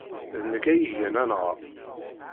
D nekk ay igan anɣa.